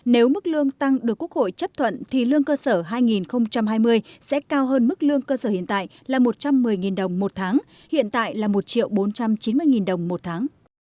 nếu mức lương tăng được quốc hội chấp thuận thì lương cơ sở hai nghìn hai mươi sẽ cao hơn mức lương cơ sở hiện tại là một trăm một mươi đồng một tháng hiện tại là một bốn trăm chín mươi đồng một tháng